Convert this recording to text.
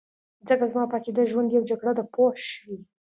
ځکه زما په عقیده ژوند یو جګړه ده پوه شوې!.